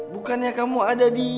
bukannya kamu ada di